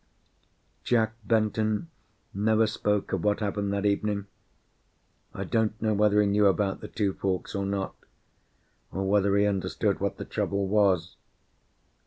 Jack Benton never spoke of what happened that evening. I don't know whether he knew about the two forks, or not; or whether he understood what the trouble was.